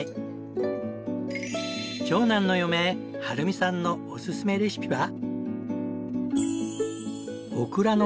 長男の嫁春美さんのおすすめレシピは。